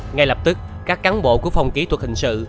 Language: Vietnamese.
ngay lập tức các cán bộ của phòng kỹ thuật hình sự